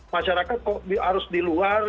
masyarakat harus di luar